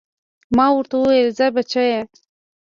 ما ورته وويل ځه بچيه.